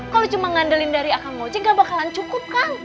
kalo cuma ngandelin dari akang moce gak bakalan cukup kang